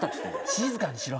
静かにしろ。